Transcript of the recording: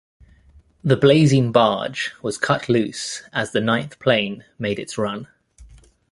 The blazing barge was cut loose as the ninth plane made its run.